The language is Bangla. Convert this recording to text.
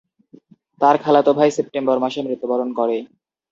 তার খালাতো ভাই সেপ্টেম্বর মাসে মৃত্যুবরণ করে।